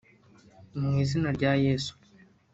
mu Izina rya Yesu